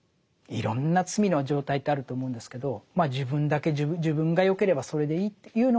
いろんな罪の状態ってあると思うんですけど自分だけ自分がよければそれでいいっていうのも罪でしょうね。